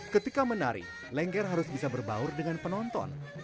ketika menari lengger harus bisa berbaur dengan penonton